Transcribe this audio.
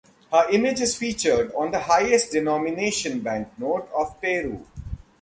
Her image is featured on the highest denomination banknote of Peru.